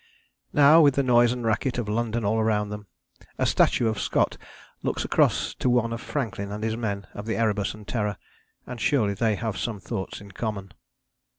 Now, with the noise and racket of London all round them, a statue of Scott looks across to one of Franklin and his men of the Erebus and Terror, and surely they have some thoughts in common.